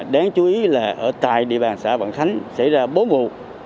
đáng chú ý là ở tại địa bàn xã vạn khánh xảy ra bốn vụ